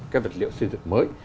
cái vật liệu xây dựng mới